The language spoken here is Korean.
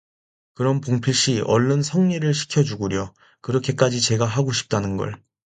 "그럼 봉필씨! 얼른 성례를 시켜 주구려, 그렇게까지 제가 하구싶다는 걸……"